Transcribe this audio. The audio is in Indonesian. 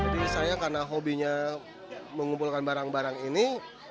jadi saya karena hobinya mengumpulkan barang barang ini